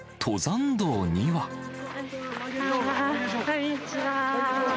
こんにちは。